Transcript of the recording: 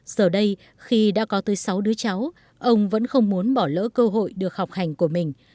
giờ đây khi đã có tới sáu đứa cháu ông vẫn không muốn bỏ lỡ cơ hội được học hành của mình